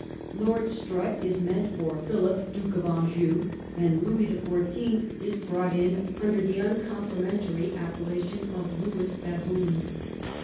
Lord Strutt is meant for Philip Duke of Anjou, and Louis the Fourteenth is brought in under the uncompli mentary appellation of Lewis Baboon.